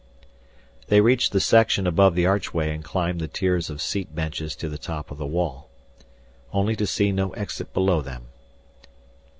They reached the section above the archway and climbed the tiers of seat benches to the top of the wall. Only to see no exit below them.